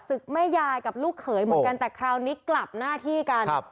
แม่ยายกับลูกเขยเหมือนกันแต่คราวนี้กลับหน้าที่กัน